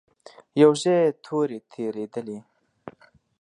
يو ځای تورې تېرېدلې.